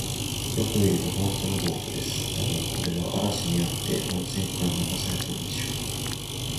よく見ると、ほんとのボートです。たぶん、これは嵐にあって本船から流されたのでしょう。